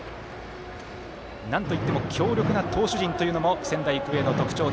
なんといっても強力な投手陣というのも仙台育英の特徴。